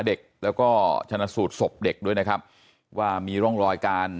เด็กแล้วก็ชนะสูตรศพเด็กด้วยนะครับว่ามีร่องรอยการ